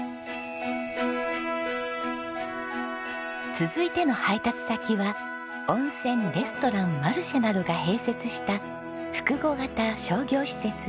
続いての配達先は温泉レストランマルシェなどが併設した複合型商業施設。